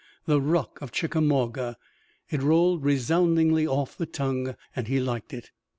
The Rock of Chickamauga!" It rolled resoundingly off the tongue, and he liked it.